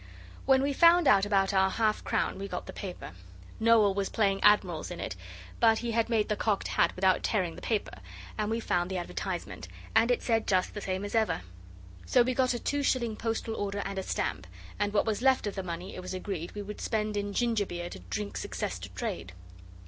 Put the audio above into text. When we found out about our half crown we got the paper. Noel was playing admirals in it, but he had made the cocked hat without tearing the paper, and we found the advertisement, and it said just the same as ever. So we got a two shilling postal order and a stamp, and what was left of the money it was agreed we would spend in ginger beer to drink success to trade.